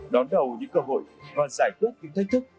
đón đầu những cơ hội và giải quyết những thách thức